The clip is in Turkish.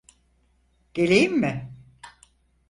Geleyim mi?